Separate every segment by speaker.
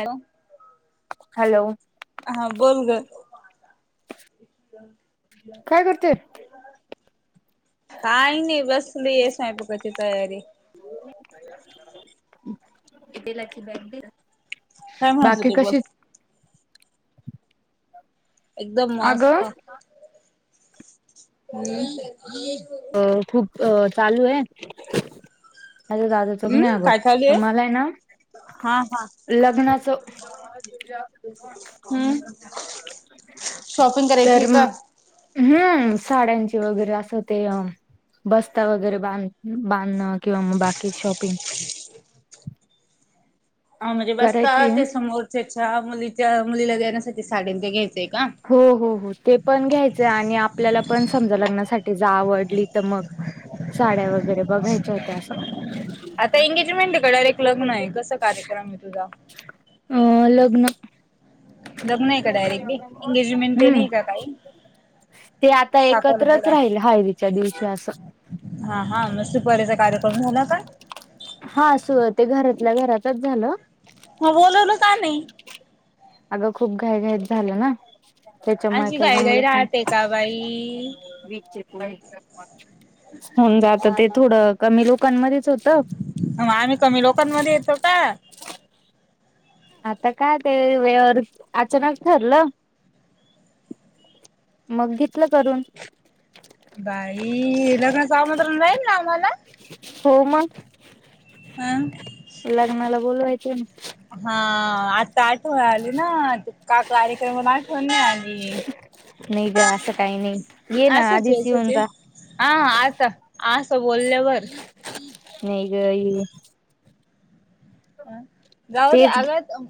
Speaker 1: Hello.
Speaker 2: Hello.
Speaker 1: हा बोल ग.
Speaker 2: काय करते
Speaker 1: काय नाही बसलीये, स्वयंपाकाची तयारी.
Speaker 2: इ ला की बॅग दे.
Speaker 1: काय म्हणच ते बोल. एकदम
Speaker 2: अगं
Speaker 1: मस्त्
Speaker 2: अ खूप चालू आहे आ
Speaker 1: हम्म काय
Speaker 2: दा
Speaker 1: चालूये
Speaker 2: मला ना
Speaker 1: हा हा
Speaker 2: लगनाच.
Speaker 1: हम्म शॉपिंग करायची
Speaker 2: तर
Speaker 1: का
Speaker 2: म
Speaker 1: अ
Speaker 2: हम्म, साड्यांची वगैरे, असं ते, बस्ता वगैरे बांध बांधण. किंवा मग, बाकी शॉपिंग.
Speaker 1: हा म्हणजे बस्ता
Speaker 2: करायची आहे.
Speaker 1: ते समोरच्याच्या मुलीच्या मुलीला देण्यासाठी, साडीन ते घ्यायचंय का?
Speaker 2: हो हो हो, ते पण घ्यायचंय, आणि आपल्याला पण समजा लग्नासाठी, ज आवडली त मग. साड्या वगैरे बघायच्या होत्या असं.
Speaker 1: आता एंगेजमेंट का? लग्नये, कस कार्यक्रमे तुझा?
Speaker 2: अ लग्न.
Speaker 1: लग्नय का डायरेक्टली, एंगेजमेंट ते
Speaker 2: हम्म
Speaker 1: नाही का काही?
Speaker 2: ते आता एकत्रच
Speaker 1: साखरपुडा
Speaker 2: राहिल, हळवीच्या दिवशी असं.
Speaker 1: हा हा, म सुपारीचा कार्यक्रम झाला का?
Speaker 2: हा, सु ते, घरातल्या घरातच झालं.
Speaker 1: म बोलवल का नाही.
Speaker 2: अगं खूप घाई घाईत झालं ना. त्याच्यामुळे
Speaker 1: अशी
Speaker 2: काही
Speaker 1: घाईघाई राहते का बाई.
Speaker 2: होउन जात, ते
Speaker 1: मग
Speaker 2: थोडं कमी लोकांमध्येच होत.
Speaker 1: म आम्ही कमी लोकांमध्ये येतो का?
Speaker 2: आता काय ते, वेळ अचानक ठरलं. मग घेतलं करून.
Speaker 1: बाई, लग्नाच आमंत्रण राहील ना, आम्हाला.
Speaker 2: हो मग.
Speaker 1: ह.
Speaker 2: लग्नाला बोलवायचं ना.
Speaker 1: हा आता आठवण आली ना, का कार्यक्रमला आठवण नाही आली.
Speaker 2: नाही ग असं काही नाही, येन
Speaker 1: असंच आहे
Speaker 2: आदिच
Speaker 1: असंच
Speaker 2: येऊन
Speaker 1: आहे
Speaker 2: जा.
Speaker 1: हा आता, असं बोलल्यावर.
Speaker 2: नाही ग ये.
Speaker 1: जाऊ दे
Speaker 2: तेच,
Speaker 1: अगं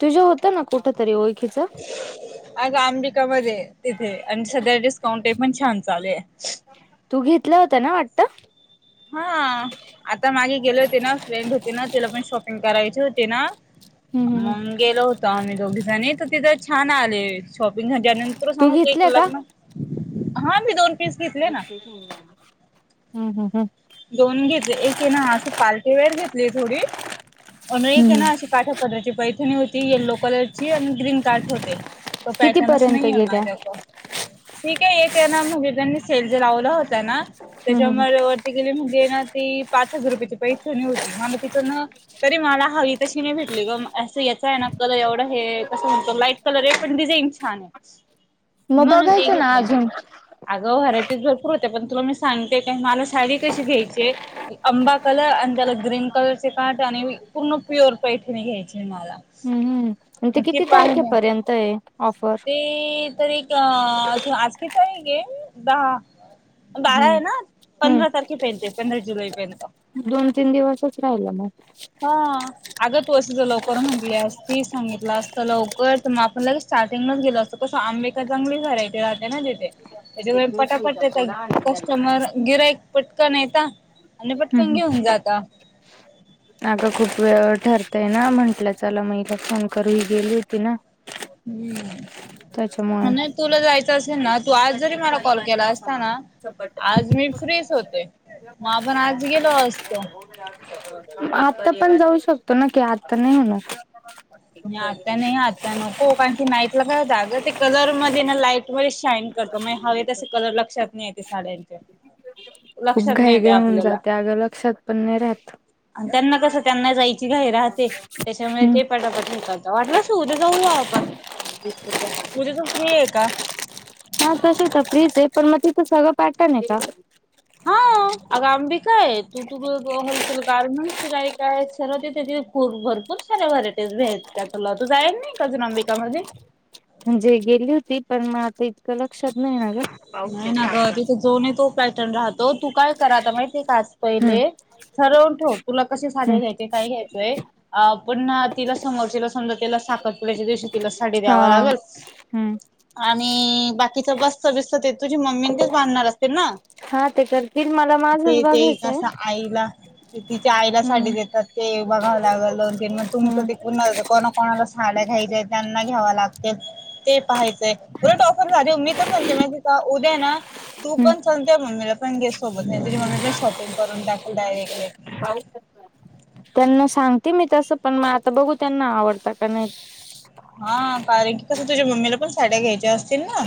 Speaker 2: तूझे होत ना कुठ तरी, ओळखीच.
Speaker 1: आग अंबिका मध्ये, तिथे अण सध्या डिस्काउंट ते पण छान चालूये.
Speaker 2: तू घेतलं होतं ना वाटतं.
Speaker 1: हा, आता मागे गेले होते ना, फ्रेंड होते ना, तिला पण शॉपिंग करायचे होते ना.
Speaker 2: हम्म हम्म
Speaker 1: मग गेलो होतो, आम्ही दोघी जनी, त तिथ छान आले. शॉपिंग झानंतर
Speaker 2: तू
Speaker 1: सांगू एक
Speaker 2: घेतलंय का
Speaker 1: लग्न, हा मी दोन पीस घेतले ना
Speaker 2: हम्म हम्म हम्म.
Speaker 1: दोन घेतले, एक आहे ना अशी पारटी वेयर घेतलीये थोडी, अन एके
Speaker 2: हम्म
Speaker 1: ना अशी काठा पदरा ची पैठणी होती येल्लो कलरची, आण ग्रीन काठ होते. तो
Speaker 2: किती
Speaker 1: पॅटनच
Speaker 2: पर्यंत
Speaker 1: नाहीये
Speaker 2: गेल्या
Speaker 1: माझ्या क. ठीके, एके ना म्हजे त्यांनी सेल जे लावल होत ना,
Speaker 2: हम्म हम्म.
Speaker 1: त्याच्यामुळे ते गेली म्हणजे ना, ती पाच हजार रुपयाची पैठनी होती म आम्ही तिच ना. तरी मला हवी तशी नाही भेटली ग, असं याचाय ना कलर एवढं हे कसं म्हणतो लाईट कलरे, पण डिझाईन छाने.
Speaker 2: मग बघायचं ना अजून.
Speaker 1: अगा वरायटीर तेच भरपूर होते पण तुला मी सांगते का मला साडी कशी घ्यायची. आंबा कलर आणि त्याला ग्रीन कलरचे काठ आणि पूर्ण प्युअर पैठणी घ्यायचे मला.
Speaker 2: हम्म हम् आणि ते किती तारखेपर्यंत आहे ऑफर.
Speaker 1: ते तरी एक आज कीती तारीखे, दहा बारा
Speaker 2: हम्म
Speaker 1: आहे ना.
Speaker 2: हम्म
Speaker 1: पंधरा तारखेपर्यंत, पंधरा जुलैपर्यंत
Speaker 2: दोन तीन दिवसच राहिले म.
Speaker 1: हा, अगं तू असं ज लवकर म्हटली असती, सांगितलं असत लवकर, त मग आपण लगेच साथेंग नच गेलो असतोस आंबे का जांंगली भरायट राहते ना तिथे त्याच्यामुळे पटापटता कस्टमर गिरायक पटकन येत आणि पटकन घेऊन जाता.
Speaker 2: [unintelligible] नाग खूप वेळ ठरतय ना म्हंटलं चला मगला फोन करू ही गेली होती ना.
Speaker 1: हम्म.
Speaker 2: त्याच्यामुळे
Speaker 1: नाही तुला जायचं असेल ना तू आज जरी मला कॉल केला असताना आज मी फ्रीच होते मग आपण आज गेलो असतो.
Speaker 2: आता पण जाऊ शकतो न की आता नाही होणार.
Speaker 1: आता नाही आ. नको कारण की नाईटला का जाग ते कलर मध्ये ना लाईट मध्ये शाईन करतो म हवे तसे कलर लक्षात नाही येते साड्यांचे
Speaker 2: खूप
Speaker 1: लक्षात नाही
Speaker 2: घाई
Speaker 1: येते
Speaker 2: घाई होऊन
Speaker 1: आपल्याला
Speaker 2: जाते अगं लक्षात पण नाही राहत
Speaker 1: आणि त्यांना कसं त्यांना जायची घही राहते त्याच्यामुळे
Speaker 2: हम्म
Speaker 1: ते पटापट ठीक वाटलंस उद्या जाऊया आपण उद्या जाऊ फ्री आहे का?
Speaker 2: हा तस तर फ्रीच आहे पण मग तिथं सगळं पाठत नाही का? [unintelligible]
Speaker 1: अग आंबी काय तू तू होलसेल गार्मेंट्स जाय काय सरवती खूर भरपूर साऱ्या व्हरायटीज भेेत त्यातला तू जाईल नाही का अजून अंबिका म
Speaker 2: म्हणजे गेली होती पण मग आता इतक लक्षात नाही ना ग.
Speaker 1: नाही ना ग तिथं जो नाही तो पॅटर्न राहतो तू काय कराता माहिती काास
Speaker 2: हम्म
Speaker 1: पहिले सरवून ठेव तुला कसे साधे
Speaker 2: हम्म
Speaker 1: घ्यायचे काय घ्यायचय पण तिला समोरचे समजा तिला साखर पुुड्याच्या दिवशी तिला साडी
Speaker 2: हा
Speaker 1: द्यावा लागेल.
Speaker 2: हम्म
Speaker 1: आणि बाकीच बसत बिस्त ते तुझी मम्मी तेच बांधणार असतील ना.
Speaker 2: हा ते करतील मला माझंच
Speaker 1: ते
Speaker 2: बघायचंय.
Speaker 1: तें आईला ते तिच्या आईला साडी
Speaker 2: हम्म.
Speaker 1: देतात. ते बघावं लागल दोन तीन मग तुमचं
Speaker 2: हम्म
Speaker 1: ते प कोणा कोणाला साड्या घ्यायच्या त्यांना घ्यावा लागत. ते पाहायचंय बर टऑफर झाली उ्ी तर म्हते म्ह का उद्या ना तू
Speaker 2: हम्म
Speaker 1: पण त्या म्मीला पण गेट सोबत नाही तरी मम्मी पण शॉपिंग करून टाक.
Speaker 2: [unintelligible] त्यांना सांगते मी तसं पण मग आता बघू त्यांना आवडत का नाही.
Speaker 1: हा कारण की कसं तुझ्या मम्मीला पण साड्या घ्यायच्या असतील ना.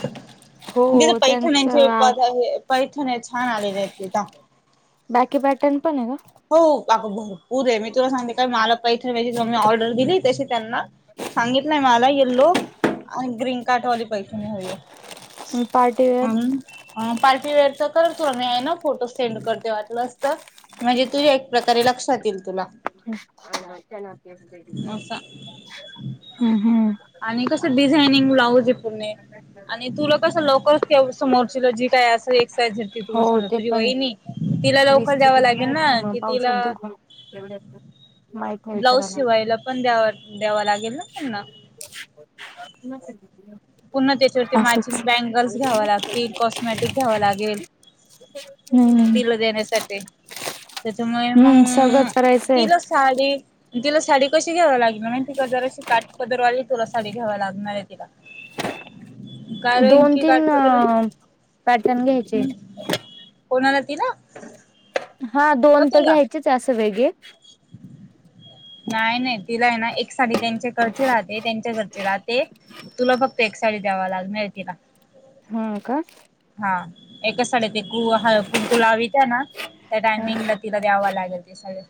Speaker 1: तिथ
Speaker 2: हो
Speaker 1: पैठण
Speaker 2: त्यांचा
Speaker 1: आहेि पैठण आहे छान आलेले आहे तिथ.
Speaker 2: बाकी पॅटर्न पण आहे का?
Speaker 1: हो का भरपूर आहे मी तुला सांगते काय मला पैथजे म मी ऑर्डर दिली तशी त्यांना सांगितलंय मला यल्लो गन कार्ड वाली परैक्षानी होई
Speaker 2: का
Speaker 1: आहे
Speaker 2: पार्टीवेअर.
Speaker 1: अम पार्टीवेअरच कर थोडं मी आहे ना फोटो सेंड करते वाटलं अस तर. म्हणजे तुझ्या एक प्रकारे लक्षात येईल तुला.
Speaker 2: हम् चलक
Speaker 1: असं
Speaker 2: [inaudible]
Speaker 1: आणि कसं डिझाइनिंग ब्लाऊज आहे पुर्णे आणि तुला कसं लवकर ते समोरची जी काय अस एइज तू
Speaker 2: हो
Speaker 1: समज
Speaker 2: ते
Speaker 1: तुझी
Speaker 2: पण आहे
Speaker 1: वहिणी तिला लवकर
Speaker 2: वीसच
Speaker 1: द्यावं लागेल ना कि तिला
Speaker 2: ते
Speaker 1: ब्लाऊज शिवायला पण द्यावा द्याव लागेल ना पणना
Speaker 2: [unintelligible]
Speaker 1: पुनण त्याच्यावरती मॅचिंग
Speaker 2: असंच
Speaker 1: बँगल्स घ्याव लागतील कॉस्मॅटिक घ्यावं लागेल.
Speaker 2: नाही नाही.
Speaker 1: तिला देण्यासाठी. त्याच्यामुळे
Speaker 2: हम्म
Speaker 1: मग
Speaker 2: सगळंच करायचंय
Speaker 1: तिला साडी तिला साडी कशी घ्यावावी लागणार माहिती का जरा शी काटपदर वाली तुला साडी घ्यावा लागणार आहे तिला
Speaker 2: [inaudible]
Speaker 1: कारण
Speaker 2: दोन
Speaker 1: की
Speaker 2: तीन अ
Speaker 1: काटपदर
Speaker 2: पॅटर्न घ्यायचे.
Speaker 1: कोणाला तिला
Speaker 2: [inaudible] हा
Speaker 1: का
Speaker 2: दोन तर
Speaker 1: तुला
Speaker 2: घ्यायचेच अस वेगळे
Speaker 1: नाही नाही तिला आहे ना एक साडी त्यांच्या घरचे राहते त्यांच्या घरचे राहत. ते तुला फक्त एक साडी द्यावा लागणार तिला.
Speaker 2: हा का.
Speaker 1: हा एकाच साडी ते कु कुंकु लावीतना. त्या टायमिंगला तिला द्यावं लागेल ते सगळ.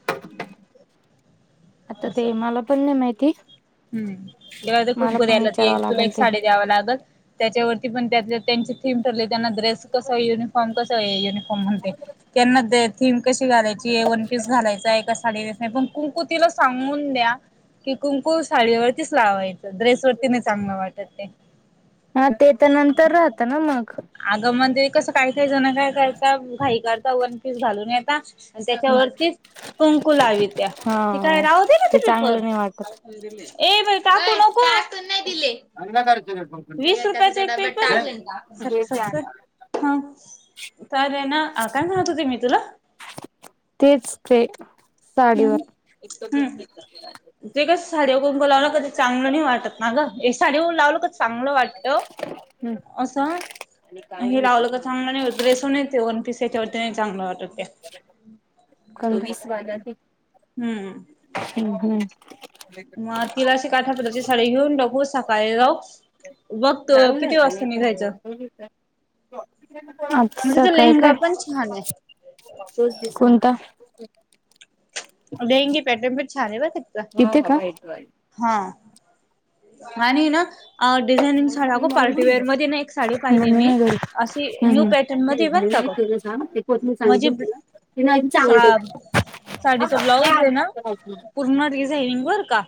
Speaker 2: आता ते मला पण नाही माहिती
Speaker 1: हम् देवाच
Speaker 2: मला
Speaker 1: कुंकू
Speaker 2: पण
Speaker 1: दयायला
Speaker 2: विचारावं
Speaker 1: तुला
Speaker 2: लागेल
Speaker 1: एक
Speaker 2: ते.
Speaker 1: साडी द्याव लागल. त्याच्यावरती पण त्यात त्यांचे थीम ठरले त्यांना ड्रेस कसा युनिफॉर्म कसा आहे. म्हणते त्यांना थीम कशी घालायची आहे वन पीस घालायचाय कस साडी पण कुंकु तिला सांगून द्या की कुंकु साडीवरतीच लावायच. ड्रेस वरती नाही चांगलं वाटत ते.
Speaker 2: हा ते त्या नंतर राहत ना मग.
Speaker 1: अगं! म्हणजे तरी कसं काय काय जण काय करता घाई काढता वन पीस घालून येता आणि त्याच्यावरतीच कुंकू लावी त्या
Speaker 2: हा
Speaker 1: ती काय राहते ना ते पेपर
Speaker 2: चांगलं नाही वाटत
Speaker 1: ए बाई टाकू नको? या टाकून नाही दिले. वीस रुपयाचे एक पेपर [unintelligible] सर सर हा तर रे ना काय म्हणत होते मी तुला?
Speaker 2: तेच ते
Speaker 1: हम्म
Speaker 2: साडीवर.
Speaker 1: हम्म ते साडी कुंकू लावला का ते चांगलं नाही वाटत ना ग हे साडी लावलं का चांगलं वाटत.
Speaker 2: हम्म
Speaker 1: असं.. हे लावलं का चांगलं नाही ड्रेस नाही ते वन पीस याच्यावरती नाही चांगल वाटत ते.
Speaker 2: [unintelligible] स्वागत
Speaker 1: हम्म
Speaker 2: हम्म हम्म
Speaker 1: मग तिला अशी काठा पदराची साडी घेऊन टाकू सकाळी जाऊ बघ तू किती वाजता निघायचं?
Speaker 2: [unintelligible] [unintelligible]
Speaker 1: तिचा
Speaker 2: सकाळी
Speaker 1: लेहंगा
Speaker 2: काय
Speaker 1: पण छान आहे
Speaker 2: कोणता?
Speaker 1: डेंगी पॅटर्न पण छान बरं का?
Speaker 2: तिथे का?
Speaker 1: हा मानी न डिझाइनिंग साडया अग पार्टीवेअर मध्ये ना एक साडी पाहिली मी
Speaker 2: नाही घरी
Speaker 1: अशी न्यू
Speaker 2: हम्म
Speaker 1: पॅट मध्ये ये बर का ग म्हणजे
Speaker 2: ती नाही चांगली [unintelligible]
Speaker 1: ब्लाउज आहे ना पूर्ण डिझाइनिंग वर्क का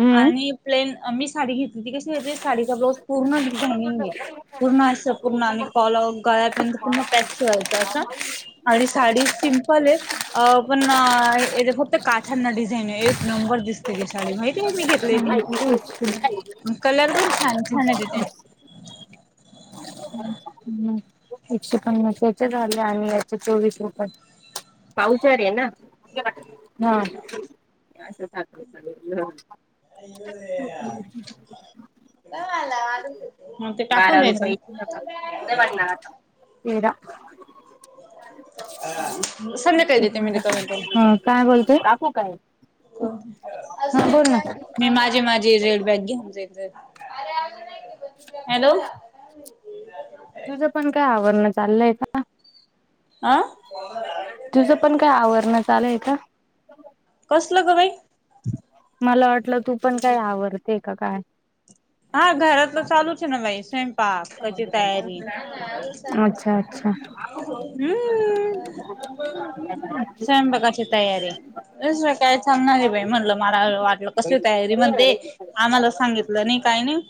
Speaker 2: हम्म
Speaker 1: आणि प्लेन मी साडी घेत कि कशी हो साडीचा ब्लाऊज पूर्ण डिझाइनिंग आहे पूर्ण अस पूर्ण आणि कॉलर गळापर्यंत पूर्ण पॅक्स शिवायचं असं आणि साडी सिमपल आहे आ पण येथे फक्त काठांना डिझाईन आहे एक नंबर दिसते ती साडी माहिती आहे मी घेतलीय ती. कलर पण छान छान आहे तिथे.
Speaker 2: हम् एकशे पन्नास याचे झाले आणि याच चोवीस रुपये. पावसाळी आहे ना हा? असं ग
Speaker 1: आला आ. [unintelligible]
Speaker 2: बारा रुपये तेरा
Speaker 1: ना
Speaker 2: [inaudible]
Speaker 1: संध्याकाळी देते मी रिकामे करून
Speaker 2: हा काय बोलतोय काकू काय?
Speaker 1: मी माझी माझी रेड बॅग घेऊन रे बॅग [unintelligible] हॅलो!
Speaker 2: ह तुझं पण काय आवरण चाललंय का?
Speaker 1: आं.
Speaker 2: तुझं पण काय आवरण चाळु ये का
Speaker 1: कसलं ग बाई
Speaker 2: मला वाटलं तू पण काय आवरते का काय.
Speaker 1: हा घरातल चालुच ये ना बाई स्व पाकाची तयारी
Speaker 2: अच्छा अच्छा
Speaker 1: हम् स्वयंपाकाची तयारी. काय चालणार आहे बाई म्हणलं मला वाटलं कस तयारी महनते. आम्हाला सांगितलं नाही काय नाही.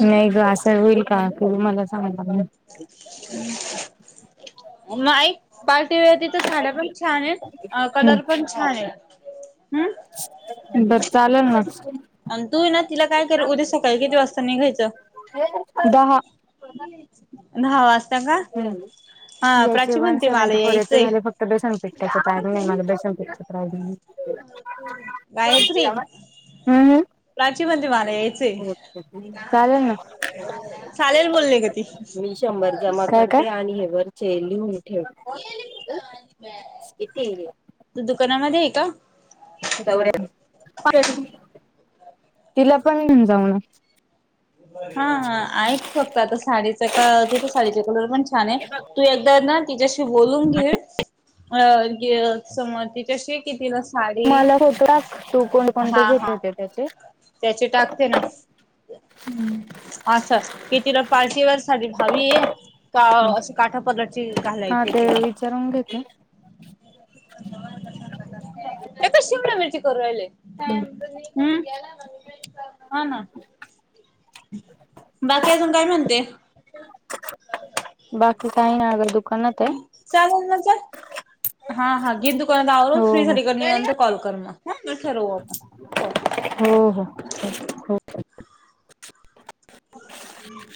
Speaker 2: नाही ग असं होईल का तू मला सांगीतल नाही.
Speaker 1: नाही पार्टी वर त तर साड्या पण छान आहे कलर पण छान आहे हम्
Speaker 2: बर चालल ना.
Speaker 1: तू ना तिला काय कर उद्या सकाळी किती वाजता निघायचं.
Speaker 2: दहा.
Speaker 1: दहा वाजता का हा
Speaker 2: याचे
Speaker 1: प्राची
Speaker 2: वन
Speaker 1: म्हणते मला
Speaker 2: सेव्हंटी फोर याचे
Speaker 1: यायचंय.
Speaker 2: झाले फक्त बेसन पिकठाच प्रायज नाही मझ बेसन पीठ प्रयज नाही [unintelligible]
Speaker 1: गायत्री. प्राची म्हणते माला यायच ये.
Speaker 2: चालेल
Speaker 1: चालेल बोलली ग ती.
Speaker 2: मी शंभर जमा करते आणि हे वरचे लिहून ठेव कितीये.
Speaker 1: तू दुकानामध्ये आहे का.
Speaker 2: तिला पण घेऊन जाऊ ना.
Speaker 1: हा हा आहेत फक्त आता साडीच का तिथ साडीचा कलर पण छान आहे तू एकदा ना तिच्याशी बोलून घे अ समोर तिच्याशी किती ला साडी
Speaker 2: मला फोटो टाक तू कोण
Speaker 1: हा
Speaker 2: कोणते घेत
Speaker 1: हा.
Speaker 2: होते त्याचे
Speaker 1: त्याचे टाकते ना.
Speaker 2: हम्म.
Speaker 1: अच्छा की तिला पार्टीवेअर साडी हावी आहे. का अशी काठा पदराची घालायची तुला.
Speaker 2: रंगेत
Speaker 1: त्या का शिमला मिरची करू राहिले. काम म गला ना ह ना [unintelligible] बाकी अजून काय म्हणते.
Speaker 2: बाकी काही ना अगर दु
Speaker 1: चाल म च हा हा गे दुकानात आवरून
Speaker 2: हो
Speaker 1: फ्री झाली
Speaker 2: हो
Speaker 1: का निंवात कॉल कर मग हा ठरवू आपण. हो.
Speaker 2: हो हो हो.
Speaker 1: हम्म.